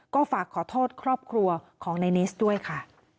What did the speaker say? ก็ฝากขอโทษครอบครัวของในนิสด้วยค่ะ